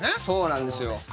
そうなんですよ。